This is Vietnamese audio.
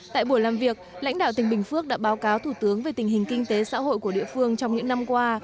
tại buổi làm việc lãnh đạo tỉnh bình phước đã báo cáo thủ tướng về tình hình kinh tế xã hội của địa phương trong những năm qua